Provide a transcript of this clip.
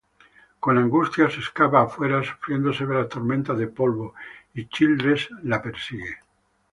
Con angustia, se escapa afuera, sufriendo severas tormentas de polvo, y Childress la persigue.